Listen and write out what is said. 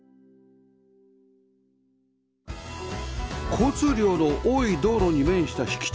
交通量の多い道路に面した敷地